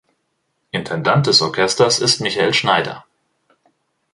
Intendant des Orchesters ist Michael Schneider.